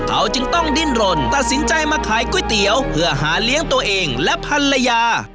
เขาจึงต้องดิ้นรนตัดสินใจมาขายก๋วยเตี๋ยวเพื่อหาเลี้ยงตัวเองและภรรยา